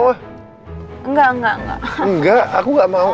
enggak enggak enggak enggak aku nggak mau